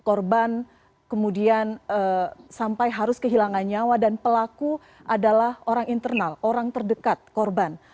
korban kemudian sampai harus kehilangan nyawa dan pelaku adalah orang internal orang terdekat korban